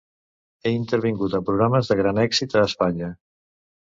Ha intervingut en programes de gran èxit a Espanya.